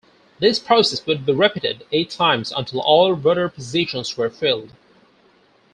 This process would be repeated eight times until all rotor positions were filled.